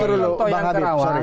contoh yang kerawang